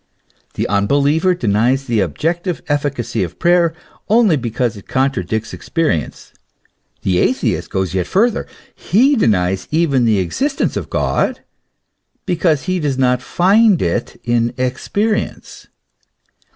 The unbeliever denies the objective efficacy of prayer only because it contradicts experience ; the atheist goes yet farther, he denies even the existence of God, because he does not find it in experience.